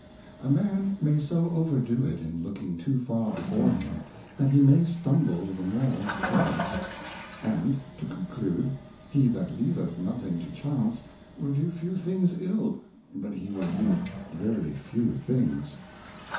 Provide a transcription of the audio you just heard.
A Man may so overdo it in looking too far before him, that he may stumble the more for it. And, to conclude. He that leaveth nothing to Chance will do few things ill, but he will do veiy few things.